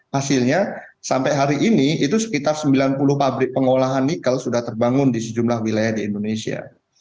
hasilnya sampai hari ini itu sekitar sembilan puluh pabrik pengolahan nikel sudah terbangun di sejumlah wilayah di indonesia